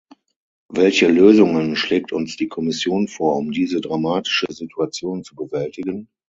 Welche Lösungen schlägt uns die Kommission vor, um diese dramatische Situation zu bewältigen?